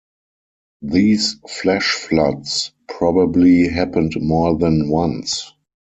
These flash floods probably happened more than once.